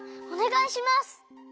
おねがいします！